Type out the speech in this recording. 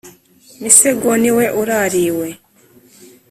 Misego niwe urariwe